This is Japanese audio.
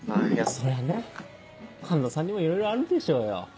そりゃね環田さんにもいろいろあるでしょうよ。